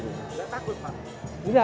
kenapa takut pak